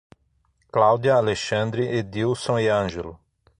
Cláudia, Alexandre, Edílson e Ângelo